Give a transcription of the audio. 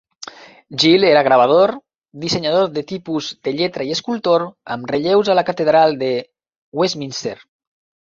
Gill era gravador, dissenyador de tipus de lletra i escultor, amb relleus a la catedral de Westminster.